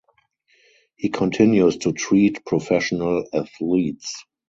He continues to treat professional athletes.